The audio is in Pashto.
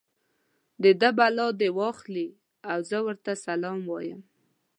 د ده بلا دې واخلي او زه ورته سلام وایم.